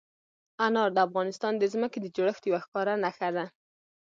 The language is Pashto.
انار د افغانستان د ځمکې د جوړښت یوه ښکاره نښه ده.